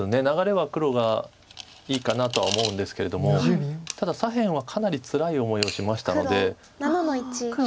流れは黒がいいかなとは思うんですけれどもただ左辺はかなりつらい思いをしましたので。